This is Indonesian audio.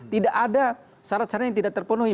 tidak ada syarat syarat yang tidak terpenuhi